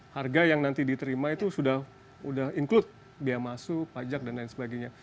harga yang nanti diterima itu sudah include biaya masuk pajak dan lain sebagainya